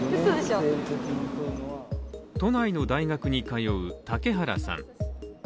都内の大学に通う嵩原さん。